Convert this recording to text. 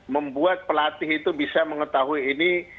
membuat pelatih itu bisa mengetahui ini